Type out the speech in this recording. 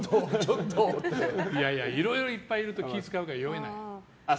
いやいやいろいろいっぱいいると、気を遣うから酔えない。